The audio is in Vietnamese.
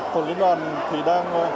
tổng liên đoàn thì đang